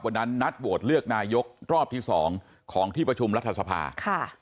วันนั้นนัดโหวตเลือกนายกรอบที่๒ของที่ประชุมรัฐธรรมสภาคม